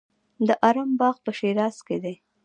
د ارم باغ په شیراز کې دی.